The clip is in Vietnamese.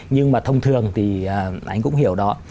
nhưng mà thông thường thì anh cũng hiểu đó